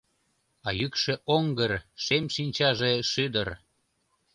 А йӱкшӧ оҥгыр, шем шинчаже — шӱдыр.